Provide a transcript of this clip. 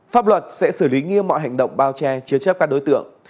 pháp luật sẽ xử lý nghiêm mọi hành động bao che chứa chấp các đối tượng